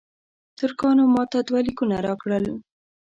ترکانو ماته دوه لیکونه راکړل.